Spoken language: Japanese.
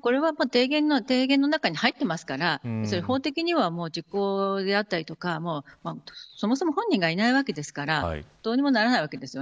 これは提言の中に入っていますから法的には時効であったりそもそも本人がいないわけですからどうにもならないわけです。